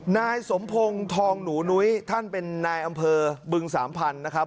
นายสมพงศ์ทองหนูนุ้ยท่านเป็นนายอำเภอบึงสามพันธุ์นะครับ